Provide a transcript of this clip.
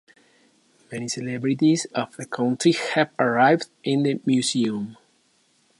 Many celebrities of the country have arrived in the museum.